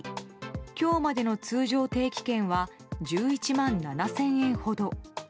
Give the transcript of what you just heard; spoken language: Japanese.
今日までの通常定期券は１１万７０００円ほど。